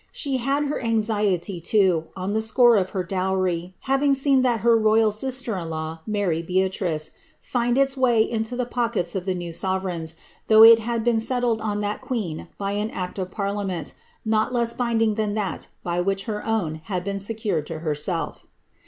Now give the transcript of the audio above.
She had her anxiety, too, on the score of her dowry, having seen that of her royal sister in law, Mary Beatrice, fiad its way into the pockets of the new sovereigns, though it had been nW tied on tliat queen by an act of parliament, not less binding than that by which her own liad been secured to herself.